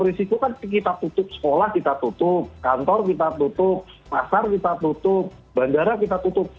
risiko kan kita tutup sekolah kita tutup kantor kita tutup pasar kita tutup bandara kita tutup